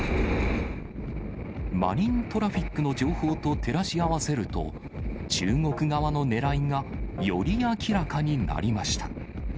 マリントラフィックの情報と照らし合わせると、中国側のねらいがより明らかになりました。